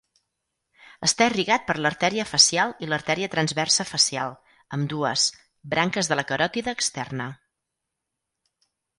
Està irrigat per l'artèria facial i l'artèria transversa facial, ambdues, branques de la caròtide externa.